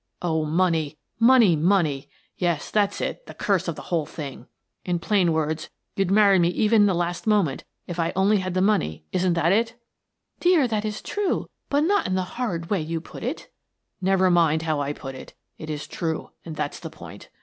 " Oh, money, money, money ! Yes, that's it, the curse of the whole thing! In plain words, you'd marry me at even the last moment if I only had the money; isn't that it? "" Dear, that is true, but not in the horrid way you put it." " Never mind how I put it; it is true and that's the point.